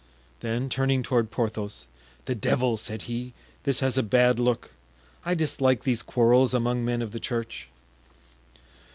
Then, turning toward Porthos, "The devil!" said he, "this has a bad look. I dislike these quarrels among men of the church."